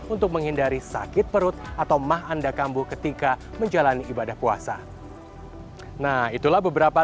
untuk menghindari sakit perut atau mah anda kambuh ketika menjalani ibadah puasa nah itulah beberapa